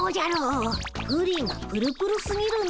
プリンプルプルすぎるんだ。